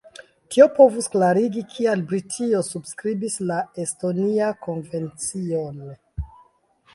Tio povus klarigi, kial Britio subskribis la Estonia-kovencion.